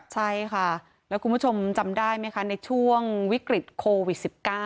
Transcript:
ใช่ค่ะแล้วคุณผู้ชมจำได้ไหมคะในช่วงวิกฤตโควิด๑๙